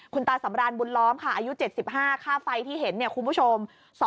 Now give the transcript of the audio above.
คุณตาสำรานบุญล้อมค่ะอายุ๗๕ค่าไฟที่เห็นเนี่ยคุณผู้ชม